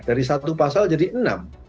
dari satu pasal jadi enam